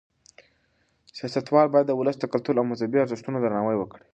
سیاستوال باید د ولس د کلتور او مذهبي ارزښتونو درناوی وکړي.